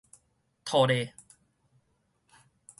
套咧